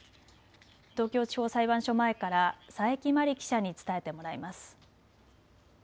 東京地方裁判所前から佐伯麻里記者に伝えてもらいます。